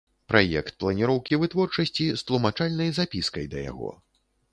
Праект планiроўкi вытворчасцi з тлумачальнай запiскай да яго.